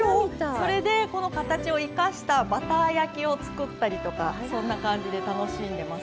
それで、この形を生かしたバター焼きを作ったりとかそんな感じで楽しんでます。